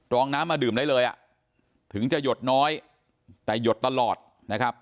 รองน้ำมาดื่มได้เลยอ่ะถึงจะหยดน้อยแต่หยดตลอดนะครับ